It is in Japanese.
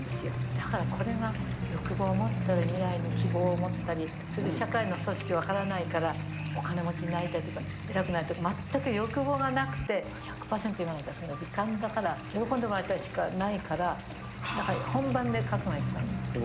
だから、これが欲望を持ったり、未来に希望を持ったり、それで社会の組織分からないから、お金持ちになりたいとか、偉くなりたいとか全く欲望がなくて、１００％、今だけの時間だから、喜んでもらいたいしかないから、やっぱり本番で書くのが一番いい字。